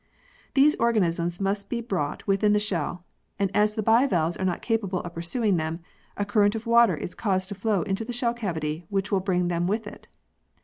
These organisms must be brought within the shell, and as the bivalves are not capable of pursuing them, a current of water is caused to flow into the shell cavity which will bring them with it.